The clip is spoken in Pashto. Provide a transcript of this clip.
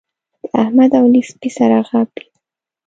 د احمد او علي سپي سره غاپي.